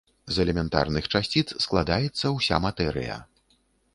З элементарных часціц складаецца ўся матэрыя.